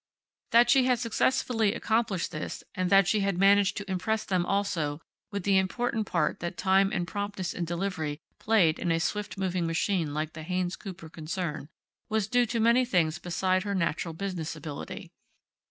That she had successfully accomplished this, and that she had managed to impress them also with the important part that time and promptness in delivery played in a swift moving machine like the Haynes Cooper concern, was due to many things beside her natural business ability.